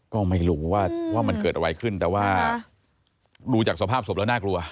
ก็ไม่รู้ว่ามันเกิดอะไรขึ้นแต่ว่าดูจากสภาพศพแล้วน่ากลัว